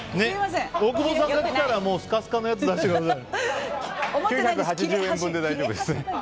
大久保さんが行ったらスカスカなやつ出してください。